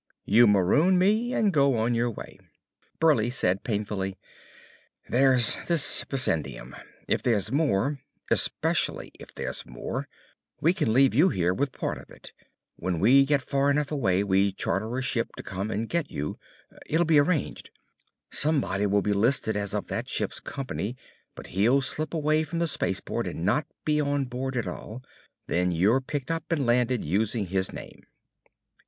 You maroon me and go on your way." Burleigh said painfully; "There's this bessendium. If there's more especially if there's more we can leave you here with part of it. When we get far enough away, we charter a ship to come and get you. It'll be arranged. Somebody will be listed as of that ship's company, but he'll slip away from the space port and not be on board at all. Then you're picked up and landed using his name."